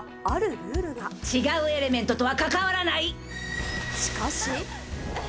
シテ違うエレメントとは関わらなしかし。